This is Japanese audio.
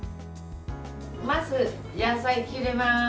まず、野菜を切ります。